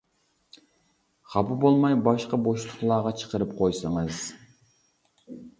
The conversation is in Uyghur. خاپا بولماي باشقا بوشلۇقلارغا چىقىرىپ قويسىڭىز.